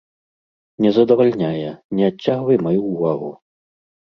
Не задавальняе, не адцягвай маю ўвагу.